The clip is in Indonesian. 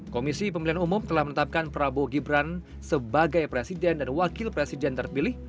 komisi pemilihan umum telah menetapkan prabowo gibran sebagai presiden dan wakil presiden terpilih